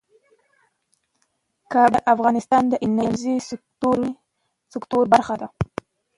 کابل د افغانستان د انرژۍ سکتور برخه ده.